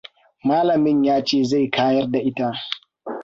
Malamin ya ce zai kayar da ita.